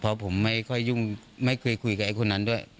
เพราะผมไม่ค่อยยุ่งไม่เคยคุยกับไอ้คนนั้นด้วย